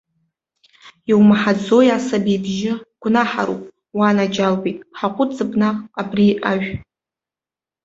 Иумаҳаӡои, асаби ибжьы, гәнаҳароуп, уанаџьалбеит, ҳаҟәыҵып наҟ абри ажә!